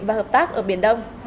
và hợp tác ở biển đông